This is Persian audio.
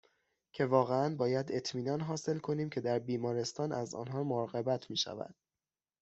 که واقعاً باید اطمینان حاصل کنیم که در بیمارستان از آنها مراقبت میشود